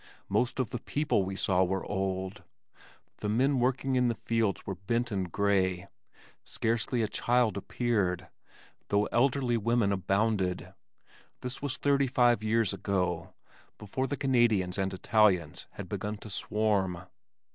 Most of the people we saw were old. The men working in the fields were bent and gray, scarcely a child appeared, though elderly women abounded. (This was thirty five years ago, before the Canadians and Italians had begun to swarm).